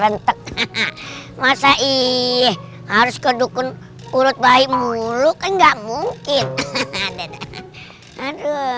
udah keban mobil di ginding aja lo